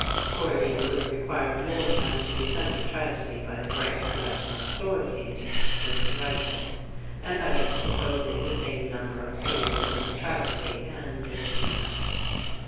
Corneille would have required more time to defend a tragedy by a great collection of authorities, than to write it; and I am supposing the same number of pages in the tragedy and in the defence.